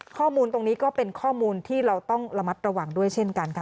ข้อมูลตรงนี้ก็เป็นข้อมูลที่เราต้องระมัดระวังด้วยเช่นกันค่ะ